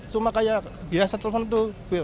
cuma kayak biasa telpon tuh